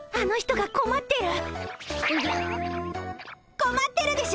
こまってるでしょ？